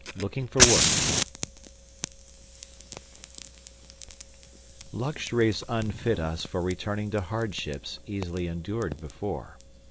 Looking For Work Luxuries unfit us for returning to hardships easily endured before.